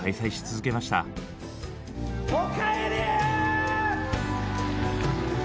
おかえり！